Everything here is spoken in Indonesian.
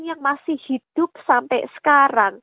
yang masih hidup sampai sekarang